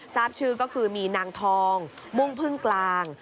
ทราบชื่อก็คือมีนางทองมุ่งพึ่งกลาง